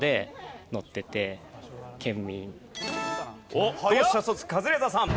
おっ同志社卒カズレーザーさん。